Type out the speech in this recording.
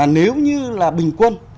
nếu như là bình quân